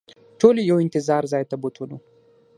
ټول یې یو انتظار ځای ته بوتلو.